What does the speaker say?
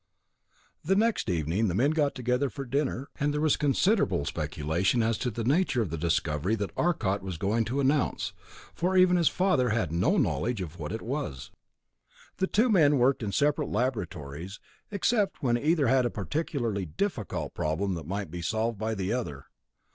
The next evening the men got together for dinner, and there was considerable speculation as to the nature of the discovery that Arcot was going to announce, for even his father had no knowledge of what it was. The two men worked in separate laboratories, except when either had a particularly difficult problem that might be solved by the other.